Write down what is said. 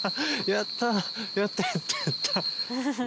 やったやったやった。